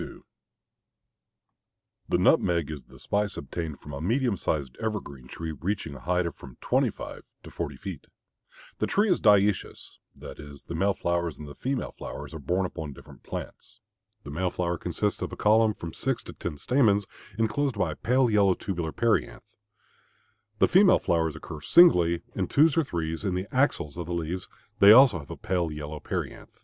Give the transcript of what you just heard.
_ The nutmeg is the spice obtained from a medium sized evergreen tree reaching a height of from twenty five to forty feet. This tree is dioecious, that is the male flowers and the female flowers are borne upon different plants. The male flower consists of a column of from six to ten stamens enclosed by a pale yellow tubular perianth. The female flowers occur singly, in twos or threes, in the axils of the leaves; they also have a pale yellow perianth.